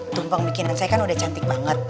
tuh pang bikinan saya kan udah cantik banget